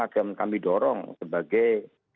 akan kami dorong sebagai